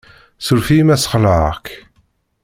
Suref-iyi ma ssxelεeɣ-k.